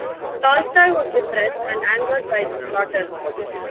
Tolstoy was depressed and angered by the slaughter.